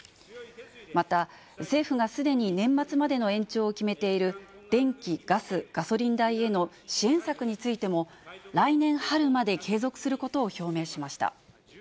また政府がすでに年末までの延長を決めている、電気、ガス、ガソリン代への支援策についても、来年春まで継続することを表明しました。